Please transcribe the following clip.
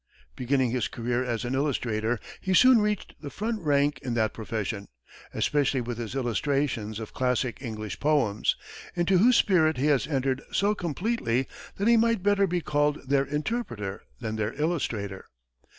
Beginning his career as an illustrator, he soon reached the front rank in that profession, especially with his illustrations of classic English poems, into whose spirit he has entered so completely that he might better be called their interpreter than their illustrator.